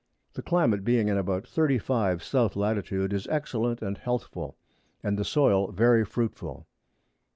The Climate being in about 35 S. Lat. is excellent and healthful, and the Soil very fruitful.